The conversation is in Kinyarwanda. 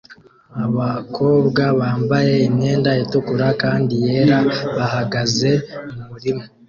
Abakobwa bambaye imyenda itukura kandi yera bahagaze mumurima